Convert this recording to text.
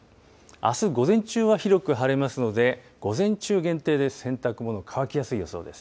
あす午前中は広く晴れますので、午前中限定で、洗濯物、乾きやすい予想です。